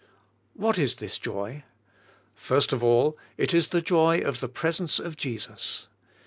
What is this joy? First of all, it is the joy of the presence of Jesus.